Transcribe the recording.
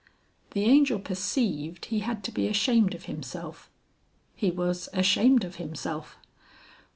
The Angel perceived he had to be ashamed of himself. He was ashamed of himself.